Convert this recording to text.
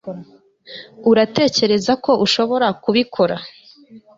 Uratekereza ko ushobora kubikora